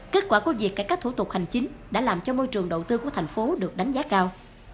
kết quả của việc cải cách thủ tục hành chính đã làm cho môi trường đầu tư của thành phố được đánh giá cao